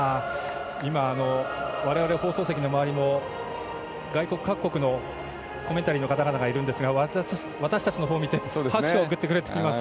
今、我々の放送席の周りも外国各国のコメンタリーの方々がいるんですが私たちのほうを見て拍手を送ってくれています。